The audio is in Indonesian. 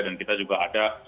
dan kita juga ada